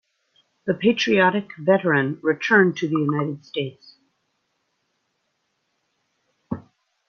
The patriotic veteran returned to the United States.